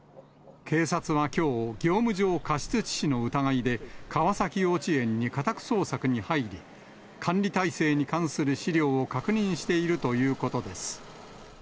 警察はきょう、業務上過失致死の疑いで、川崎幼稚園に家宅捜索に入り、管理体制に関する資料を確認しているということです。